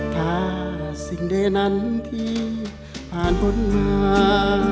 ถ้าสิ่งใดนั้นที่ผ่านพ้นมา